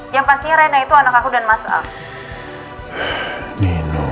yang pastinya rena itu anak aku dan mas al